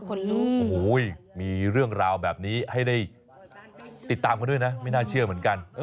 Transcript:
โอ้โหมีเรื่องราวแบบนี้ให้ได้ติดตามกันด้วยนะไม่น่าเชื่อเหมือนกัน